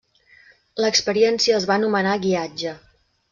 L'experiència es va anomenar guiatge.